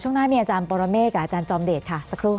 ช่วงหน้ามีอาจารย์ปรเมฆกับอาจารย์จอมเดชค่ะสักครู่ค่ะ